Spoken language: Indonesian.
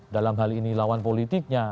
dalam hal ini lawan politiknya